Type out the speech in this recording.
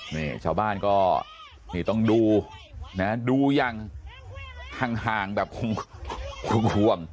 นี่ชาวบ้านก็นี่ต้องดูนะดูอย่างห่างแบบคงทุกห่วง